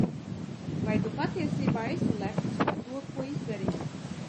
Vai tu patiesībā esi lepns par to, ko izdarīji?